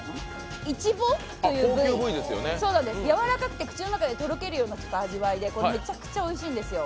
イチボという部位、やわらかくて口の中でとろけるような味わいで味わいで、めちゃくちゃおいしいんですよ。